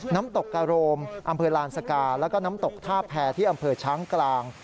น้ำตกกะโรมอำเภอลานสกาแล้วก็น้ำตกท่าแพรที่อำเภอช้างกลาง